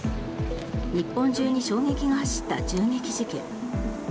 日本中に衝撃が走った銃撃事件。